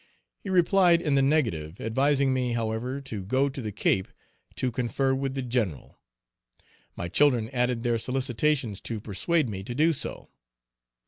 He replied in the negative, advising me, however, to go to the Cape to confer with the general; my children added their solicitations to persuade me to do so.